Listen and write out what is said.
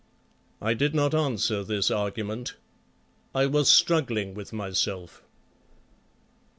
I did not answer this argument. I was struggling with myself.